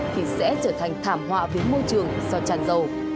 thì sẽ trở thành thảm họa với môi trường do tràn dầu